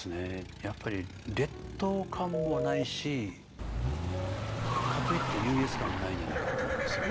やっぱり劣等感もないしかといって優越感もないんじゃないかって思うんですよね。